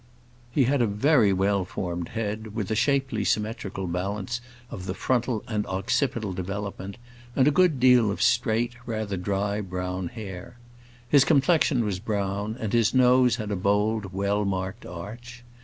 He had a very well formed head, with a shapely, symmetrical balance of the frontal and the occipital development, and a good deal of straight, rather dry brown hair. His complexion was brown, and his nose had a bold well marked arch.